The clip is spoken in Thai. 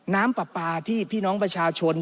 น้ำปลาปลาที่พี่น้องประชาชน